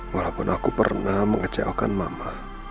walaupun aku pernah mengecewakan mama